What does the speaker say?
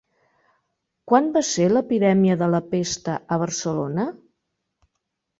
Quan va ser l'epidèmia de la pesta a Barcelona?